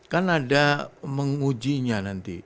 kan ada mengujinya nanti